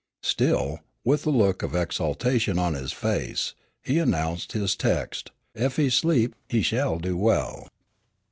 Still, with the look of exaltation on his face, he announced his text, "Ef he sleep he shell do well."